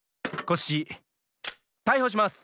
コッシータイホします！